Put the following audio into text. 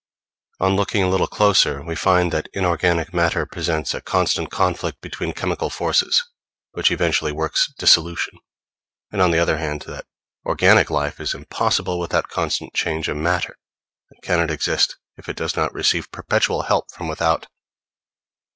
On looking a little closer, we find that inorganic matter presents a constant conflict between chemical forces, which eventually works dissolution; and on the other hand, that organic life is impossible without continual change of matter, and cannot exist if it does not receive perpetual help from without.